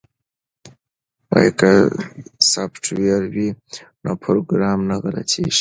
که سافټویر وي نو پروګرام نه غلطیږي.